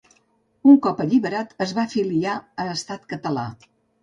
Un cop alliberat, es va afiliar a Estat Català.